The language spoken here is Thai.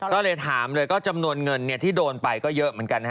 ก็เลยถามเลยก็จำนวนเงินที่โดนไปก็เยอะเหมือนกัน